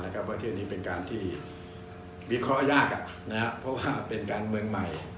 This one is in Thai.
ประเทศนี้เป็นการที่วิเคราะห์ยากเพราะว่าเป็นการเมืองใหม่